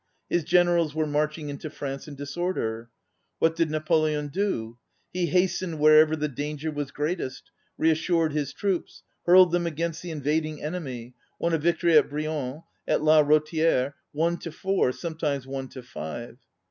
His generals were marching into France in disorder. What did Na poleon do? He hastened wherever the danger was greatest, reassured his troops, hurled them against the invading enemy, won a victory at Brienne, at La Rothiere, ŌĆö one to four, sometimes one to five.